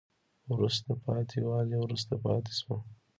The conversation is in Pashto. وروسته پاتې والی وروسته پاتې شوه